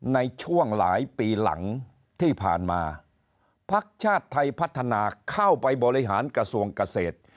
ในช่วงหลายปีหลังที่ผ่านมาภักดิ์ชาติไทยพัฒนาเข้าไปบริหารกระทรวงเกษตร